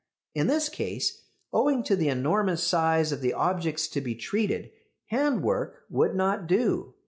In this case, owing to the enormous size of the objects to be treated, hand work would not do.